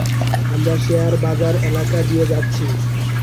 আমরা শেয়ার বাজার এলাকা দিয়ে যাচ্ছি।